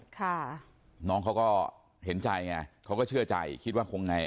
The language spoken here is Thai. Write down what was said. ค่ะน้องเขาก็เห็นใจไงเขาก็เชื่อใจคิดว่าคงไง